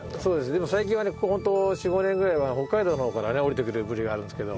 でも最近はここホント４５年ぐらいは北海道の方からね下りてくるブリがあるんですけど。